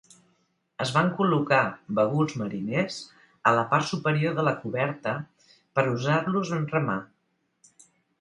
Es van col·locar baguls mariners a la part superior de la coberta per usar-los en remar.